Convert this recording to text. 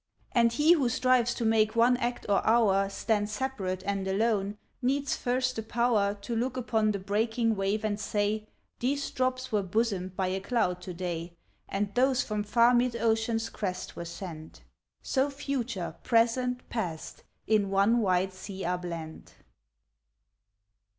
And he who strives to make one act or hour Stand separate and alone, needs first the power To look upon the breaking wave and say, "These drops were bosomed by a cloud to day, And those from far mid ocean's crest were sent." So future, present, past, in one wide sea are blent.